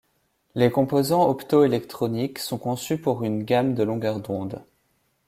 Les composants opto-électroniques sont conçus pour une gamme de longueurs d'onde.